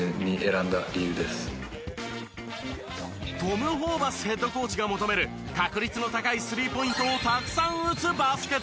トム・ホーバスヘッドコーチが求める確率の高いスリーポイントをたくさん打つバスケット。